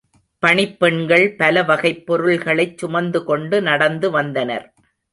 பணிப் பெண்கள் பல வகைப் பொருள்களைச் சுமந்துகொண்டு நடந்து வந்தனர்.